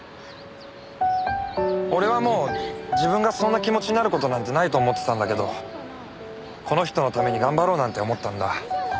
俺はもう自分がそんな気持ちになる事なんてないと思ってたんだけどこの人のために頑張ろうなんて思ったんだ。